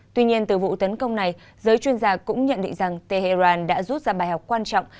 tuy nhiên từ vụ tấn công này giới chuyên gia cũng nhận định rằng tehran đã rút ra bài học quan trọng